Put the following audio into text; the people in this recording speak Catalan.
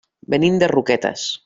Venim de Roquetes.